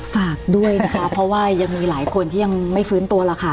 ฝากด้วยนะคะเพราะว่ายังมีหลายคนที่ยังไม่ฟื้นตัวหรอกค่ะ